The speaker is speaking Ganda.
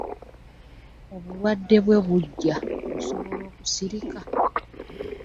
Obulwadde bwe bujja osobola okusirika?